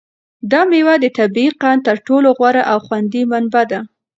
دا مېوه د طبیعي قند تر ټولو غوره او خوندي منبع ده.